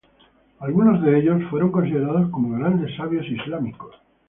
Algunos de ellos fueron considerados como grandes sabios islámicos.